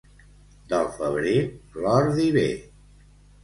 Del febrer, l'ordi ve.